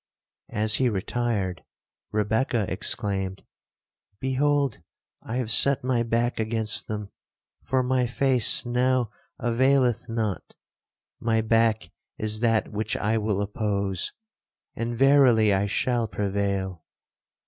As he retired, Rebekah exclaimed, 'Behold I have set my back against them, for my face now availeth not. My back is that which I will oppose, and verily I shall prevail.'